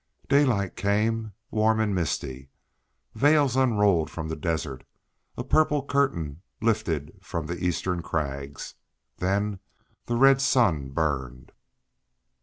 Daylight came warm and misty; veils unrolled from the desert; a purple curtain lifted from the eastern crags; then the red sun burned.